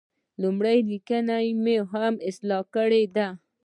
لومړۍ لیکنه مې اصلاح کړې ده.